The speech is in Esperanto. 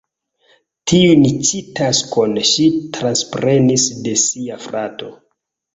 Tiun ĉi taskon ŝi transprenis de sia frato.